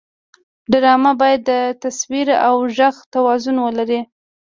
ډرامه باید د تصویر او غږ توازن ولري